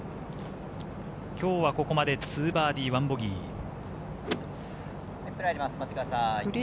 今日はここまで２バーディー、１ボギー。